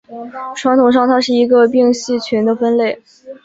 传统上它是一个并系群的分类。